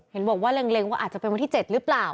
เห็นบอกว่าเล็งว่าอาจจะเป็นวันที่๗หรือเปล่า